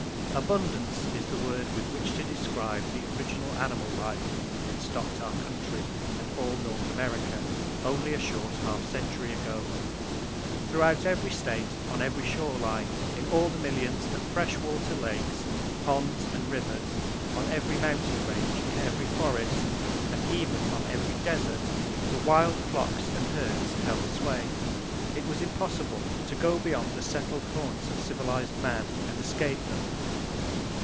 "Abundance" is the word with which to describe the original animal life that stocked our country, and all North America, only a short half century ago. Throughout every state, on every shore line, in all the millions of fresh water lakes, ponds and rivers, on every mountain range, in every forest, and even on every desert, the wild flocks and herds held sway. It was impossible to go beyond the settled haunts of civilized man and escape them.